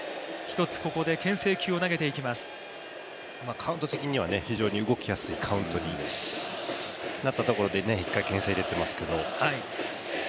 カウント的には非常に動きやすいカウントになったところで１回、けん制入れていますけど。